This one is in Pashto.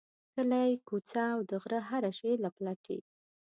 کلی، کوڅه او د غره هره شیله پلټي.